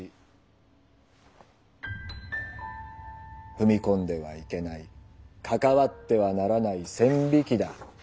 踏み込んではいけない関わってはならない線引きだ。